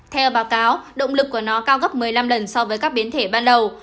theo báo cáo động lực của nó cao gấp một mươi năm lần so với các biến thể ban đầu